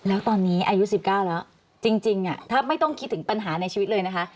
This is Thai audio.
แล้วตอนนี้อายุ๑๙แล้วจริงถ้าไม่ต้องคิดถึงปัญหาในชีวิตเลยนะคะ